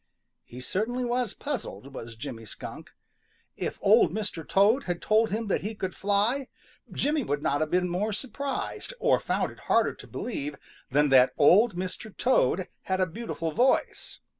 He certainly was puzzled, was Jimmy Skunk. If Old Mr. Toad had told him that he could fly, Jimmy would not have been more surprised, or found it harder to believe than that Old Mr. Toad had a beautiful voice.